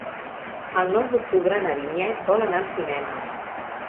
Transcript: El nou d'octubre na Vinyet vol anar al cinema.